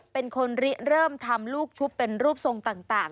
เป็นคนริเริ่มทำลูกชุบเป็นรูปทรงต่าง